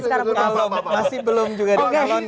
kalau masih belum juga dikalonkan